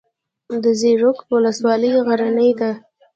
د زیروک ولسوالۍ غرنۍ ده